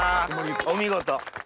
お見事。